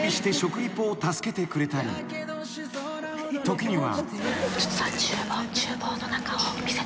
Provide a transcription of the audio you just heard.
［時には］